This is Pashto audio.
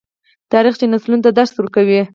تاریخ چې نسلونو ته درس ورکوي.